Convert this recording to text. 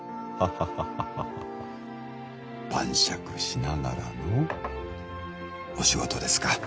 ハハハハ晩酌しながらのお仕事ですか